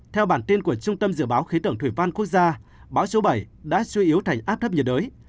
theo bản tin của trung tâm dự báo khí tượng thủy văn quốc gia bão số bảy đã suy yếu thành áp thấp nhiệt đới